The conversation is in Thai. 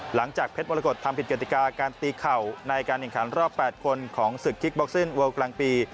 หลังจากเพชรมรกฏทำผิดกติกาการตีเข่าในการแข่งขันรอบ๘คนของศึกคิกบ็อกซินเวิลกลางปี